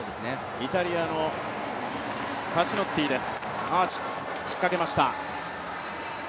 イタリアのファッシノッティです。